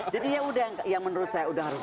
jadi yaudah yang menurut saya udah harus